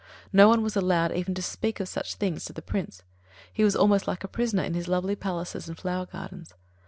No one was allowed even to speak of such things to the Prince. He was almost like a prisoner in his lovely palaces and flower gardens.